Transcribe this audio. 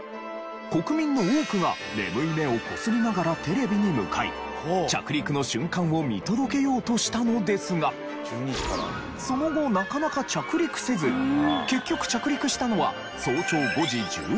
国民の多くが眠い目をこすりながらテレビに向かい着陸の瞬間を見届けようとしたのですがその後なかなか着陸せず結局着陸したのは早朝５時１７分。